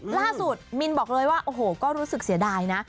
มินบอกเลยว่าโอ้โหก็รู้สึกเสียดายนะ